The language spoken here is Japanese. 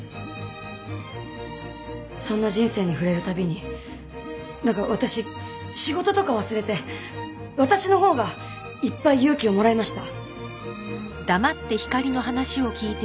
そんな人生に触れる度になんか私仕事とか忘れて私のほうがいっぱい勇気をもらいました。